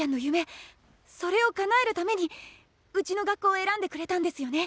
それをかなえるためにうちの学校を選んでくれたんですよね？